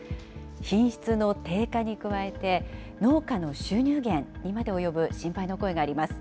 品質の低下に加えて、農家の収入源にまで及ぶ心配の声があります。